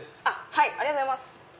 ありがとうございます。